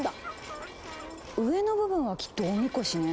上の部分はきっとおみこしね。